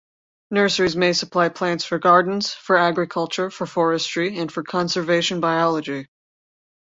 Nurseries may supply plants for gardens, for agriculture, for forestry and for conservation biology.